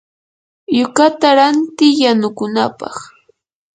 yukata ranti yanukunapaq.